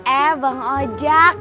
eh bang ojak